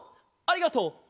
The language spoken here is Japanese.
ありがとう！